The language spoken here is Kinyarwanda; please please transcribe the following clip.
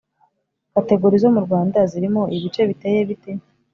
categori zo mu Rwanda zirimo ibice biteye bite?